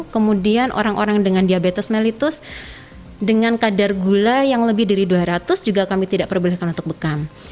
kemudian orang orang dengan diabetes mellitus dengan kadar gula yang lebih dari dua ratus juga kami tidak perbolehkan untuk bekam